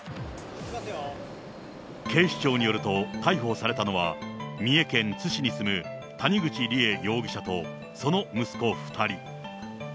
警視庁によると、逮捕されたのは、三重県津市に住む谷口梨恵容疑者とその息子２人。